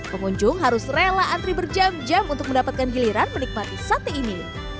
pengunjung harus rela antri berjam jam untuk mendapatkan giliran menikmati sate ini